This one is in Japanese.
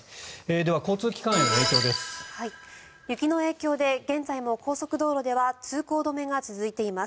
では、交通機関への影響です。